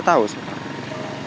saya tau sih